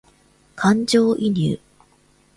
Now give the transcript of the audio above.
感情移入